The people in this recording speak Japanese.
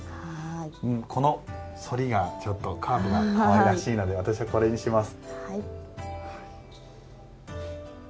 このそりが、ちょっとカーブがかわいらしいので私はこれにします。